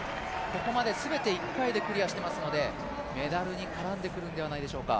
ここまで全て１回でクリアしていますのでメダルに絡んでくるんじゃないでしょうか。